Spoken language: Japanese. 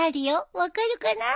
分かるかな？